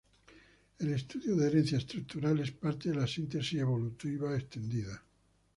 El estudio de herencia estructural, es parte de la síntesis evolutiva extendida.